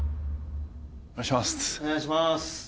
お願いします